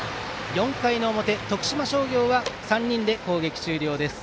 ４回の表、徳島商業は３人で攻撃終了です。